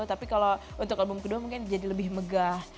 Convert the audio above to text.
tapi kalau untuk album kedua mungkin jadi lebih megah